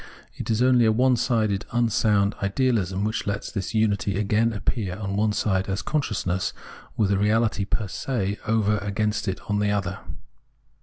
It is onlj'' a onesided, unsound ideahsm which lets this imity again appear on one side as consciousness, with a reahty fcr se over against it on the other.